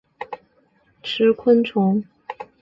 它们有时也会吃昆虫。